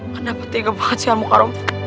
kenapa tiga banget sih al mukaharom